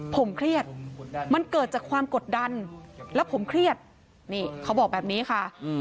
ผมเครียดมันเกิดจากความกดดันแล้วผมเครียดนี่เขาบอกแบบนี้ค่ะ